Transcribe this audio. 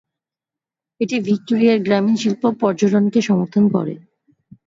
এটি ভিক্টোরিয়ার গ্রামীণ শিল্প ও পর্যটনকে সমর্থন করে।